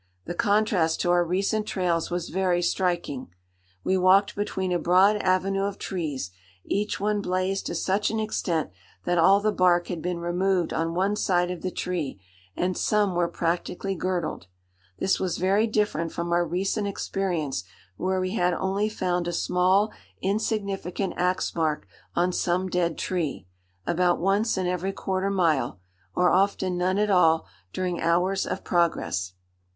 The contrast to our recent trails was very striking. We walked between a broad avenue of trees, each one blazed to such an extent that all the bark had been removed on one side of the tree, and some were practically girdled. This was very different from our recent experience where we had only found a small insignificant axe mark on some dead tree, about once in every quarter mile, or often none at all during hours of progress.